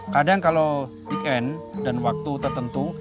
kadang kalau weekend dan waktu tertentu